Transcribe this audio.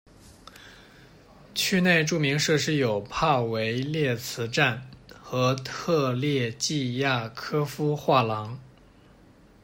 区内着名设施有帕韦列茨站和特列季亚科夫画廊。